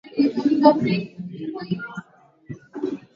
ikitanguliwa na Mkataba wa Kimataifa juu ya Forodha na Biashara